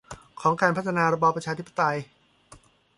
ของการพัฒนาระบอบประชาธิปไตย